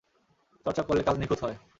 চর্চা করলে কাজ নিখুঁত হয়।